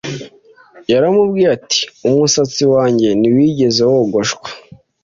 Yaramubwiye ati umusatsi wanjye ntiwigeze wogoshwa